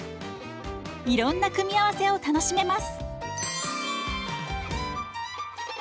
いろんな組み合わせを楽しめます。